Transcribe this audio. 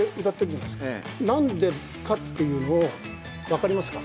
何でかっていうの分かりますか？